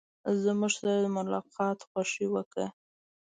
زموږ سره د ملاقات خوښي وکړه.